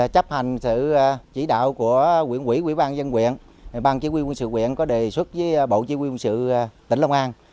chấp hành sự chỉ đạo của quyện quỹ quyện ban dân quyện ban chỉ huy quân sự quyện có đề xuất với bộ chỉ huy quân sự tỉnh long an